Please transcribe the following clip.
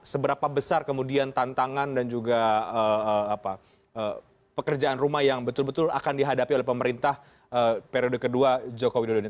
seberapa besar kemudian tantangan dan juga pekerjaan rumah yang betul betul akan dihadapi oleh pemerintah periode kedua jokowi dodo ini